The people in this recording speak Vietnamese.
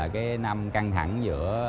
cái năm căng thẳng giữa